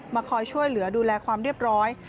คอยช่วยเหลือดูแลความเรียบร้อย